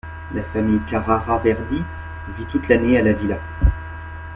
La famille Carrara-Verdi vit toute l'année à la villa.